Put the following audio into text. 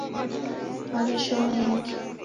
Maghesho mengi